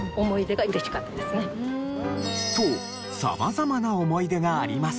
と様々な思い出がありますが。